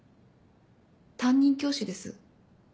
担任教師です。